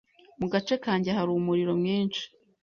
Mu gace kanjye hari umuriro mwinshi.